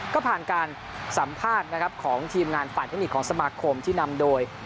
ก็ผ่านการสัมภาษณ์นะครับของทีมงานฝ่ายเทคนิคของสมาคมที่นำโดย